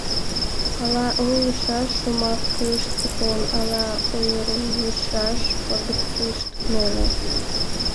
Ала ойлышаш шомакышт пытен, ала ойырлышаш пагытышт неле.